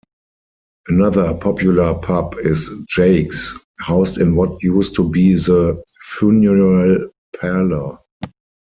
Another popular pub is Jake's, housed in what used to be the funeral parlour.